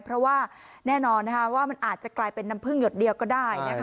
เพราะว่าแน่นอนว่ามันอาจจะกลายเป็นน้ำพึ่งหยดเดียวก็ได้นะคะ